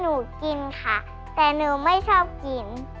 หนูกินค่ะแต่หนูไม่ชอบกิน